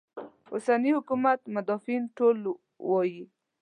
اوسني حکومت مدافعین ټول وایي.